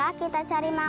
aku akan menyesal